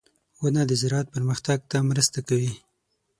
• ونه د زراعت پرمختګ ته مرسته کوي.